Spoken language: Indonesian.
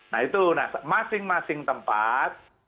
nah itu nah masing masing tempat